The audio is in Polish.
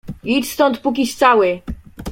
"Idź stąd, pókiś cały!"